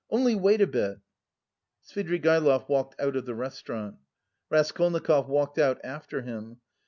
Only wait a bit." Svidrigaïlov walked out of the restaurant. Raskolnikov walked out after him.